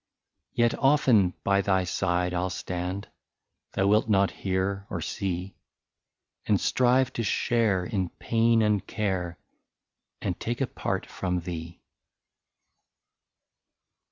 '' Yet often by thy side I '11 stand — Thou wilt not hear or see — And strive to share in pain and care. And take a part from thee."